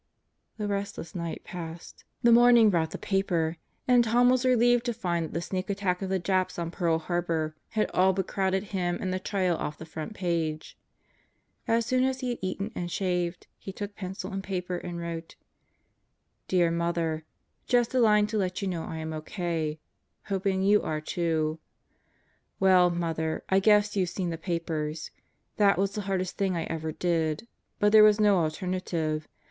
The restless night passed. The morning brought the paper and Tom was relieved to find that the sneak attack of the Japs on Pearl Harbor had all but crowded him and the trial off the front page. As soon as he had eaten and shaved, he took pencil and paper and wrote: Dear Mother: Just a line to let you know I am O.K. Hoping you are too. Well, Mother, I guess you've seen the papers. That was the hardest thing I ever did. But there was no alternative.